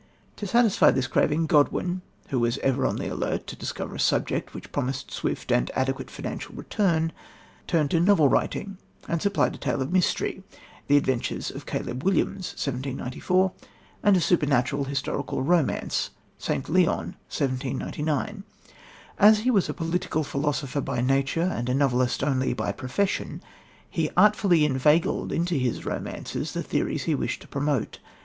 To satisfy this craving, Godwin, who was ever on the alert to discover a subject which promised swift and adequate financial return, turned to novel writing, and supplied a tale of mystery, The Adventures of Caleb Williams (1794), and a supernatural, historical romance, St. Leon (1799). As he was a political philosopher by nature and a novelist only by profession, he artfully inveigled into his romances the theories he wished to promote.